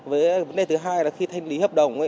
với vấn đề thứ hai là khi thanh lý hợp đồng